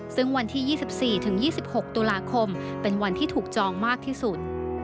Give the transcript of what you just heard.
ซึ่งวันที่๒๔ถึง๒๖ตุลาคมเป็นวันที่ถูกจองมากที่สุด